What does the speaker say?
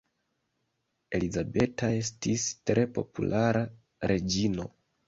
Elizabeta estis tre populara reĝino.